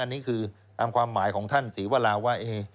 อันนี้คือตามความหมายของท่านศรีวราว่า